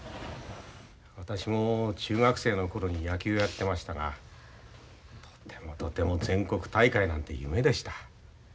私も中学生の頃に野球をやってましたがとてもとても全国大会なんて夢でした。